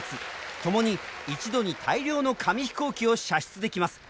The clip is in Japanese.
ともに一度に大量の紙飛行機を射出できます。